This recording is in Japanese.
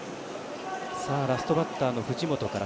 ラストバッターの藤本から。